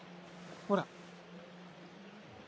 ほら。